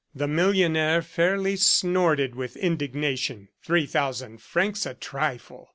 The millionaire fairly snorted with indignation. "Three thousand francs a trifle!"